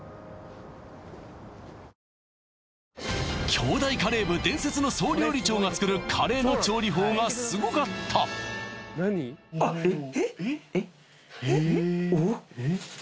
京大カレー部伝説の総料理長が作るカレーの調理法がすごかったえっ？